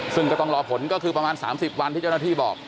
ซึ่งก็ต้องรอผลก็คือประมาณ๓๐วันที่เจ้าหน้าที่บอก